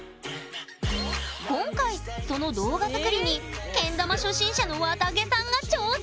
今回その動画作りにけん玉初心者のわたげさんが挑戦！